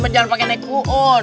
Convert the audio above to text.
kita akan naik ke uun